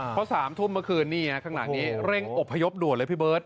เพราะ๓ทุ่มเมื่อคืนนี้ข้างหลังนี้เร่งอบพยพด่วนเลยพี่เบิร์ต